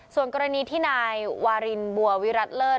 ส่วนกรณีที่นายวารินบัววิรัติเลิศ